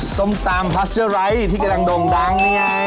ส้มตำพัสเซอร์ไร้ที่กำลังโด่งดังเนี่ย